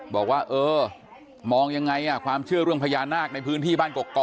บอกว่าเออมองยังไงความเชื่อเรื่องพญานาคในพื้นที่บ้านกกอก